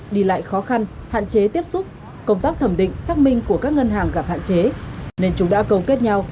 đi lại khó khăn hạn chế tiếp xúc công tác thẩm định xác minh của các ngân hàng gặp hạn chế nên chúng đã câu kết nhau